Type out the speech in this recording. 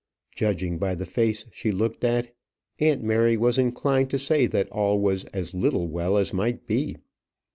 Judging by the face she looked at, aunt Mary was inclined to say that all was as little well as might be.